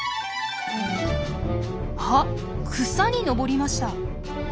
あっ草に登りました。